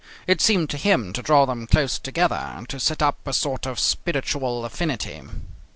It seemed to him to draw them close together, to set up a sort of spiritual affinity.